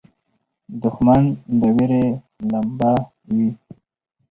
دښمن د وېرې لمبه وي